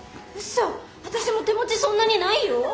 うそ私も手持ちそんなにないよ？